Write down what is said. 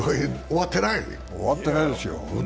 終わってないですよ。